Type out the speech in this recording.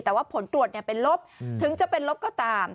แต่ว่าผลตรวจเป็นลบถึงจะเป็นลบก็ตาม